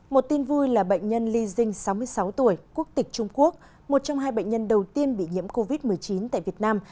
một tin vui là bệnh nhân li jing sáu mươi sáu tuổi quốc tịch trung quốc một trong hai bệnh nhân đầu tiên bị nhiễm covid một mươi chín tại việt nam